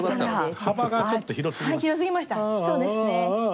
幅が、ちょっと広すぎます。